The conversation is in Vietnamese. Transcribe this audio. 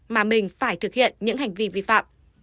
mà mình phải thực hiện những hành vi vi phạm